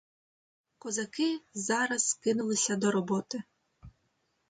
Козаки зараз кинулися до роботи.